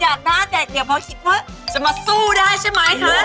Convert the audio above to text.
อยากหน้าเด็กเดี๋ยวพ่อคิดว่าจะมาสู้ได้ใช่ไหมคะ